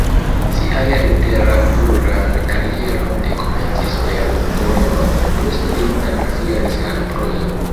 Sian literaturan karieron li komencis per poemoj, poste li transiris al prozo.